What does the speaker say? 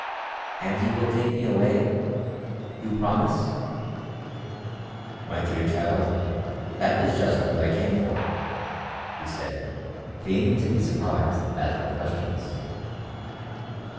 "And you will take me away? You promise?" "My dear child, that is just what I came for," he said, feigning to be surprised at her questions.